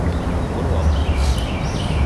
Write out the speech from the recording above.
Uruoca